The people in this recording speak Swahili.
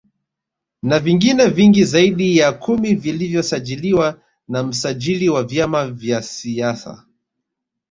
Na vingine vingi zaidi ya kumi vilivyosajiliwa na msajili wa vyama vaya siasa